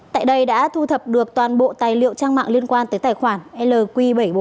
tại đây đã thu thập được toàn bộ tài liệu trang mạng liên quan tới tài khoản lq bảy trăm bốn mươi